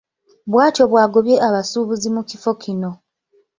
Bw’atyo bw’agobye abasuubuzi mu kifo kino.